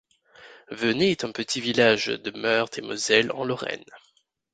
Veney est un petit village de Meurthe-et-Moselle en Lorraine.